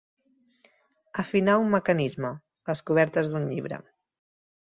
Afinar un mecanisme, les cobertes d'un llibre.